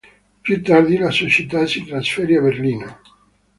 Più tardi la società si trasferì a Berlino.